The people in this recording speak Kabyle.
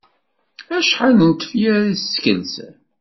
Acḥal n tefyar i teskelsem?